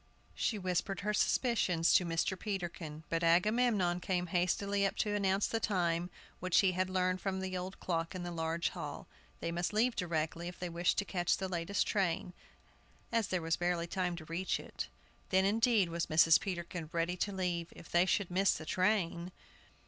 She whispered her suspicions to Mr. Peterkin; but Agamemnon came hastily up to announce the time, which he had learned from the clock in the large hall. They must leave directly if they wished to catch the latest train, as there was barely time to reach it. Then, indeed, was Mrs. Peterkin ready to leave. If they should miss the train!